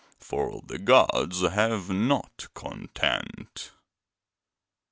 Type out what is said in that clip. For the gods have not content.'